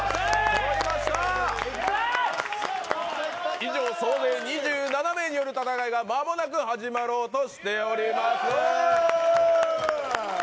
以上、総勢２７名による戦いが間もなく始まろうとしております。